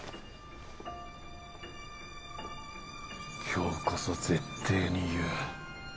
今日こそ絶対に言う。